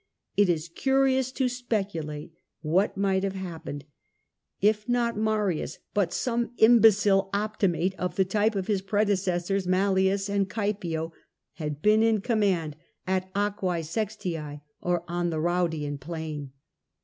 Tt is curious to speculate what might have happened if not Marius, but some imbecile Opfcimato of the typo of his predecessors Mallius and Caepio, had been in command at Aquae Sestiae or on the Raudian Plain.